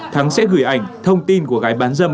thắng sẽ gửi ảnh thông tin của gái bán dâm